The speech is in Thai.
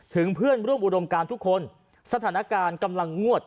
เพื่อนร่วมอุดมการทุกคนสถานการณ์กำลังงวด